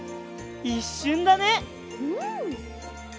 いっしゅんだね！